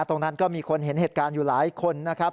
ตรงนั้นก็มีคนเห็นเหตุการณ์อยู่หลายคนนะครับ